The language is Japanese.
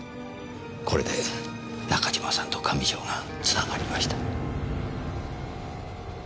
これで中島さんと上条がつながりました。